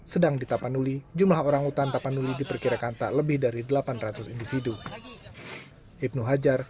sedang di tapanuli jumlah orangutan tapanuli diperkirakan tak lebih dari delapan ratus individu